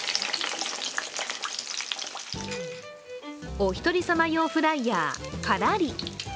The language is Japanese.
おひとり様用フライヤー、カラリ。